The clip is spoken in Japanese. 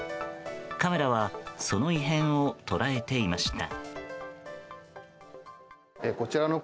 カメラはその異変を捉えていました。